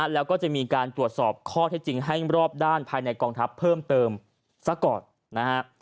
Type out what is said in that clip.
แล้วก็จะมีการตรวจสอบข้อเท็จจริงให้รอบด้านภายในกองทัพเพิ่มเติมซะก่อนนะฮะ